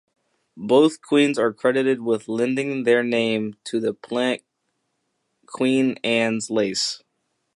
Both queens are credited with lending their name to the plant Queen Anne's lace.